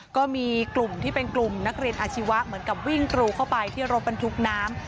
ก็มีกลุ่มที่เป็นกลุ่มนักเรียนอาชีวะเหมือนกับวิ่งกรูเข้าไปที่รถบรรทุกน้ำ